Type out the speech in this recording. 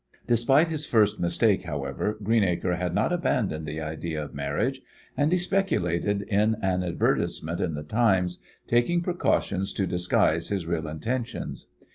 Despite his first mistake, however, Greenacre had not abandoned the idea of marriage, and he speculated in an advertisement in the "Times," taking precautions to disguise his real intentions.